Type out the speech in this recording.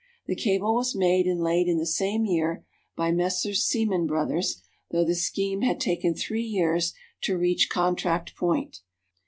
The cable was made and laid in the same year by Messrs. Siemens Brothers, though the scheme had taken three years to reach contract point.